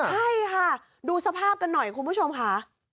ใช่ค่ะดูสภาพกันหน่อยคุณผู้ชมค่ะ